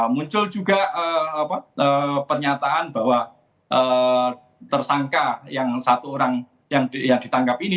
muncul juga pernyataan bahwa tersangka yang satu orang yang ditangkap ini